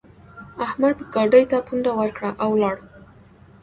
احمد ګاډي ته پونده ورکړه؛ او ولاړ.